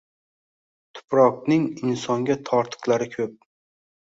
Tuproqning insonga tortiqlari ko’p